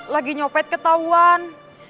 lagi nyopet ketahuan